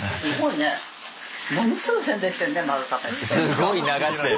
すごい流してる！